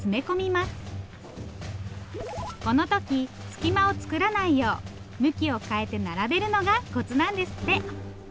この時隙間を作らないよう向きを変えて並べるのがコツなんですって。